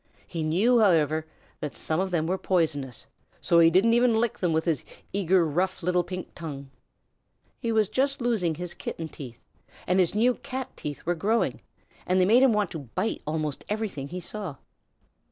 He knew, however, that some of them were very poisonous, so he didn't even lick them with his eager, rough little pink tongue. He was just losing his Kitten teeth, and his new Cat teeth were growing, and they made him want to bite almost everything he saw.